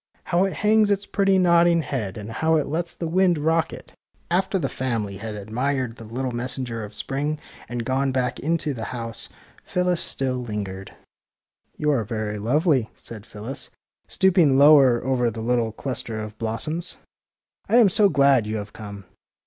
How it hangs its pretty nodding head and how it lets the wind rock it! " After the family had admired the little mes senger of spring and gone back into the house, Phyllis still lingered. ^' You are very lovely," said Phyllis, stoop ing lower over the little cluster of blossoms. '' I am so glad you have come.